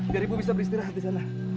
jadi bu bisa beristirahat di sana